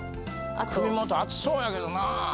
首元暑そうやけどなぁ。